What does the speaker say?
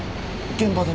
現場で？